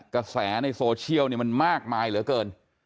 กระแสในโซเชียลมันมากมายเหลือเกิน